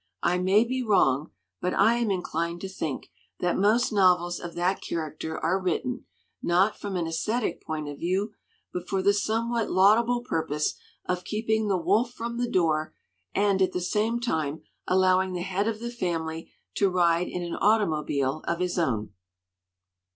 I may be wrong, but I LITERATURE IN THE MAKING am inclined to think that most novels of that character are written, not from an aesthetic point of view, but for the somewhat laudable purpose of keeping the wolf from the door and at the same time allowing the head of the family to ride in an automobile of his own.